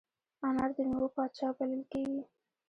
انار د میوو پاچا بلل کېږي.